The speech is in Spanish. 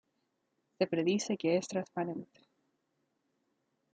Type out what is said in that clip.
Se predice que es transparente.